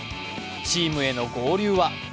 チームへの合流は？